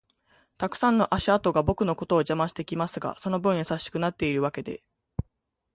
たくさんの足跡が僕のことを邪魔してきますが、その分優しくなってるわけで